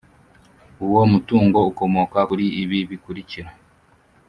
Uwo mutungo ukomoka kuri ibi bikurikira